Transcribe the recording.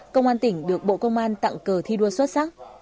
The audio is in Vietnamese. công an tỉnh được bộ công an tặng cờ thi đua xuất sắc